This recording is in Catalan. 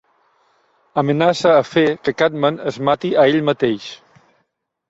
Amenaça a fer que Catman es mati a ell mateix.